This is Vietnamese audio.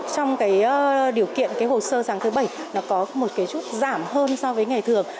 trong cái điều kiện cái hồ sơ sáng thứ bảy nó có một cái chút giảm hơn so với ngày thường